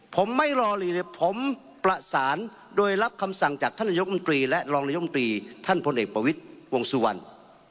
ผมไม่รอเลยผมประสานโดยรับคำสั่งจากท่านนายกมนตรีและรองนายมตรีท่านพลเอกประวิทย์วงสุวรรณ